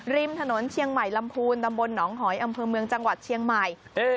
ริมถนนเชียงใหม่ลำพูนตำบลหนองหอยอำเภอเมืองจังหวัดเชียงใหม่